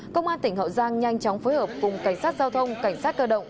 công an tỉnh hậu giang nhanh chóng phối hợp cùng cảnh sát giao thông cảnh sát cơ động